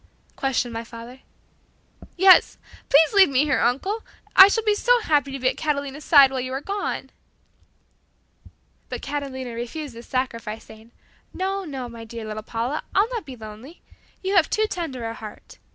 questioned my father. "Yes, please leave me here, uncle, I shall be so happy to be at Catalina's side while you are gone." But Catalina refused this sacrifice, saying, "No, no, my dear little Paula. I'll not be lonely. You have too tender a heart.